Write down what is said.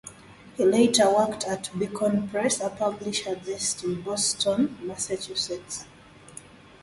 He later worked at Beacon Press, a publisher based in Boston, Massachusetts.